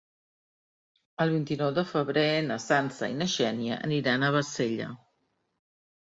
El vint-i-nou de febrer na Sança i na Xènia aniran a Bassella.